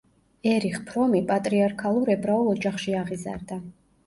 ერიხ ფრომი პატრიარქალურ ებრაულ ოჯახში აღიზარდა.